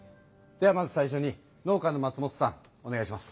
ではまず最初に農家の松本さんお願いします。